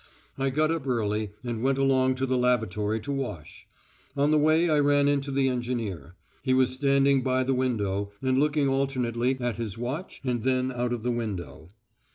I got up early and went along to the lavatory to wash; on the way I ran into the engineer, he was standing by the window and looking alternately at his watch and then out of the window.